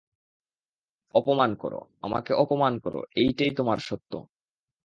অপমান করো, আমাকে আপমান করো, এইটেই তোমার সত্য।